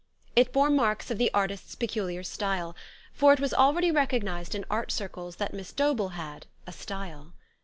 It bore marks of the artist's peculiar style ; for it was already recognized in art circles that Miss Dobellhad "a style."